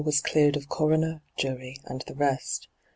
was cleared of coroner, jury, and the rest.